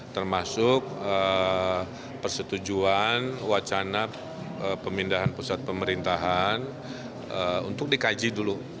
termasuk persetujuan wacana pemindahan pusat pemerintahan untuk dikaji dulu